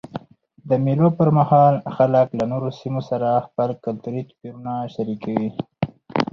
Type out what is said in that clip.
د مېلو پر مهال خلک له نورو سیمو سره خپل کلتوري توپیرونه شریکوي.